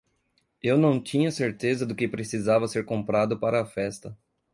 Eu não tinha certeza do que precisava ser comprado para a festa.